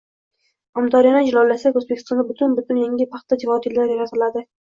Amudaryoni jilovlasak, oʻzbekistonda butun-butun yangi paxta vodiylari yaratiladi